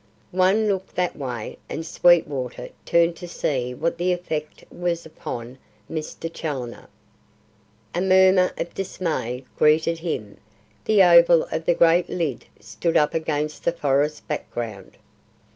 One look that way, and Sweetwater turned to see what the effect was upon Mr. Challoner. A murmur of dismay greeted him. The oval of that great lid stood up against the forest background.